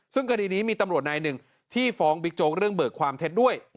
ซึ่งคดีนี้มีตำรวจนายหนึ่งที่ฟ้องบิ๊กโจ๊กเรื่องเบิกความเท็จด้วย